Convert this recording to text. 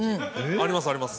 ありますあります。